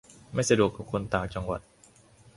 - ไม่สะดวกกับคนต่างจังหวัด